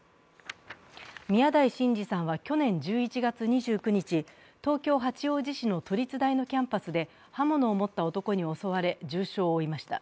宮台真司さんは去年１１月２９日、東京・八王子市の都立大のキャンパスで刃物を持った男に襲われ、重傷を負いました。